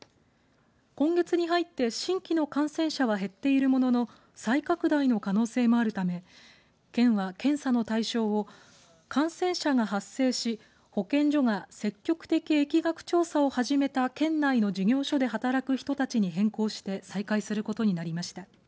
今月に入って新規の感染者は減っているものの再拡大の可能性もあるため県は検査の対象を感染者が発生し保健所が積極的疫学調査を始めた県内の事業所で働く人たちに変更して再開することになりました。